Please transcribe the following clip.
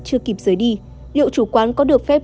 chưa kịp rời đi liệu chủ quán có được phép